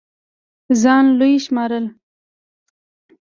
ځان لوے شمارل